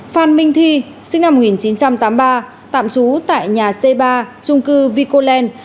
phan minh thi sinh năm một nghìn chín trăm tám mươi ba tạm trú tại nhà c ba trung cư vicoland